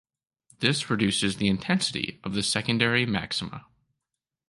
This reduces the intensity of the secondary maxima.